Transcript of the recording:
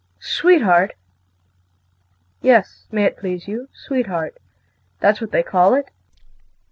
KRISTIN. Sweetheart? Yes, may it please you. Sweetheart that's what they call it.